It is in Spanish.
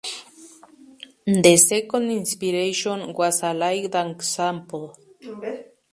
The second inspiration was I like things simple.